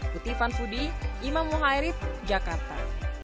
kutipan fudi imam muhairid jakarta